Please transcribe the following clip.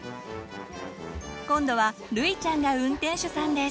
今度はるいちゃんが運転手さんです。